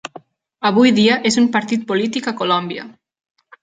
Avui dia és un partit polític a Colòmbia.